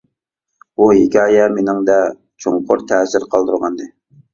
بۇ ھېكايە مېنىڭدە چوڭقۇر تەسىر قالدۇرغانىدى.